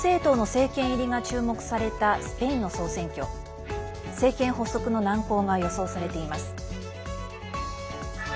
政権発足の難航が予想されています。